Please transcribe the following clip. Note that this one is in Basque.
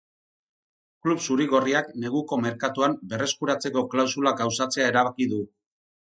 Klub zuri-gorriak neguko merkatuan berreskuratzeko klausula gauzatzea erabaki du.